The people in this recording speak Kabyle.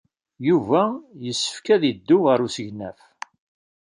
Yuba yessefk ad yeddu ɣer usegnaf.